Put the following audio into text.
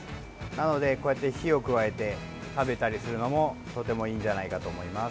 なので、こうやって火を加えて食べたりするのもとてもいいんじゃないかと思います。